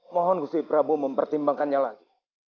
mohon gusti pramu mempertimbangkannya lagi